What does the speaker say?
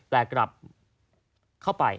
แต่กลับเข้าไป